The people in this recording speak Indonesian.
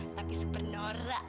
tapi super nora